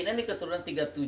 ini keturunan tiga puluh tujuh